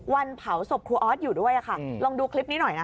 วันเผาศพครูออสอยู่ด้วยค่ะลองดูคลิปนี้หน่อยนะคะ